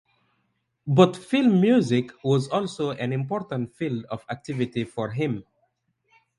But film music was also an important field of activity for him.